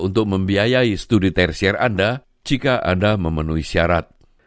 untuk membiayai studi tersier anda jika anda memenuhi syarat